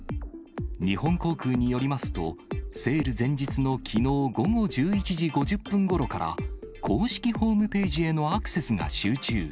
日本航空によりますと、セール前日のきのう午後１１時５０分ごろから公式ホームページへのアクセスが集中。